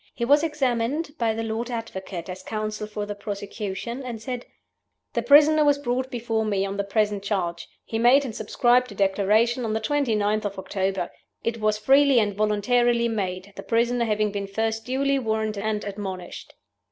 He was examined by the Lord Advocate (as counsel for the prosecution); and said: "The prisoner was brought before me on the present charge. He made and subscribed a Declaration on the 29th of October. It was freely and voluntarily made, the prisoner having been first duly warned and admonished."